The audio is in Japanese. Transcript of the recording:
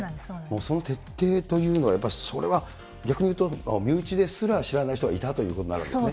その徹底というのは、やっぱりそれは逆に言うと、身内ですら知らない人がいたということになるわけですね。